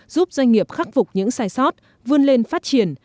giúp doanh nghiệp khắc phục những sai sót vươn lên phát triển